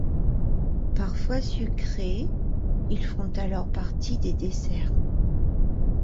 Parfois sucrés, ils font alors partie des desserts.